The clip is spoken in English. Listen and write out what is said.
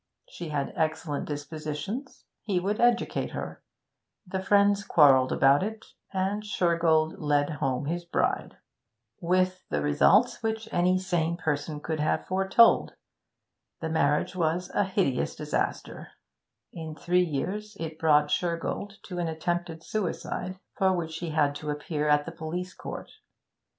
She had excellent dispositions; he would educate her. The friends quarrelled about it, and Shergold led home his bride. With the results which any sane person could have foretold. The marriage was a hideous disaster; in three years it brought Shergold to an attempted suicide, for which he had to appear at the police court.